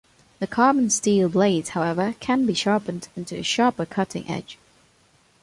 The carbon steel blades, however, can be sharpened into a sharper cutting edge.